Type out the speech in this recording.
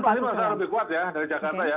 banten ini sudah lebih kuat ya dari jakarta ya